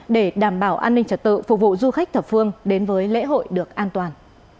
để đảm bảo an ninh trật tự phục vụ du khách thập phương đến với lễ hội được an toàn